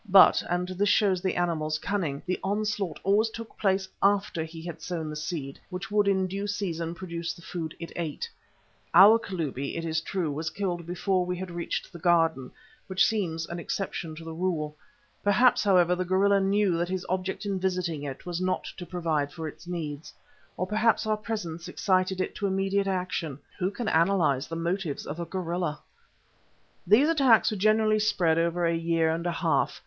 But, and this shows the animal's cunning, the onslaught always took place after he had sown the seed which would in due season produce the food it ate. Our Kalubi, it is true, was killed before we had reached the Garden, which seems an exception to the rule. Perhaps, however, the gorilla knew that his object in visiting it was not to provide for its needs. Or perhaps our presence excited it to immediate action. Who can analyse the motives of a gorilla? These attacks were generally spread over a year and a half.